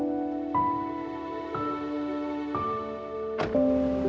kenapa aku nggak bisa dapetin kebahagiaan aku